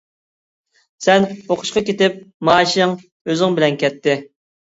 سەن ئوقۇشقا كېتىپ مائاشىڭ ئۆزۈڭ بىلەن كەتتى.